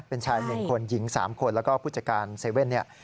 เป็นชาย๑คนหญิง๓คนแล้วก็ผู้จัดการเซเว่นเนี่ย